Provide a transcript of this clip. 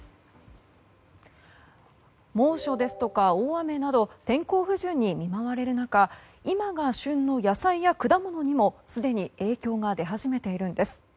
猛暑ですとか大雨など天候不順に見舞われる中今が旬の野菜や果物にも、すでに影響が出始めているんです。